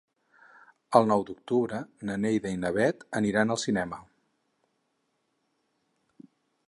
El nou d'octubre na Neida i na Bet aniran al cinema.